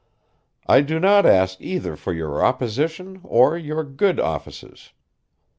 I do not ask either for your opposition or your good offices.